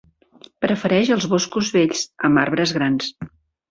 Prefereix els boscos vells, amb arbres grans.